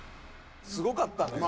すごかったのよね。